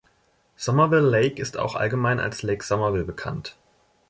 Somerville Lake ist auch allgemein als Lake Somerville bekannt.